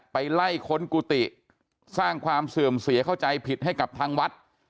ไปไล่ค้นกุฏิสร้างความเสื่อมเสียเข้าใจผิดให้กับทางวัด